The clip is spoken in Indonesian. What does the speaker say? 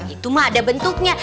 itu mah ada bentuknya